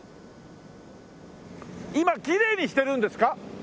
今きれいにしてるんですか？